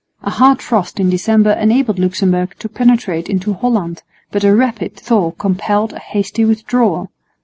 A hard frost in December enabled Luxemburg to penetrate into Holland, but a rapid thaw compelled a hasty withdrawal.